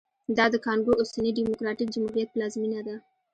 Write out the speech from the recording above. دا د کانګو اوسني ډیموکراټیک جمهوریت پلازمېنه ده